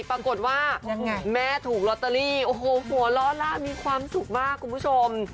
ปรากฏว่าแม่ถูกล็อตเตอรี่โอโฮโหลล็อตแล้วมีความสุขมากกรูผู้ชม